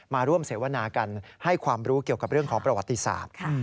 มาร่วมเสวนากันให้ความรู้เกี่ยวกับเรื่องของประวัติศาสตร์